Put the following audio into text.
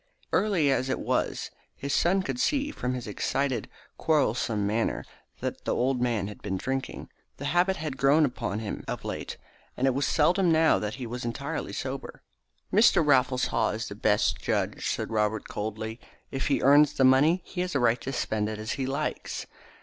Early as it was, his son could see from his excited, quarrelsome manner that the old man had been drinking. The habit had grown upon him of late, and it was seldom now that he was entirely sober. "Mr. Raffles Haw is the best judge," said Robert coldly. "If he earns the money, he has a right to spend it as he likes."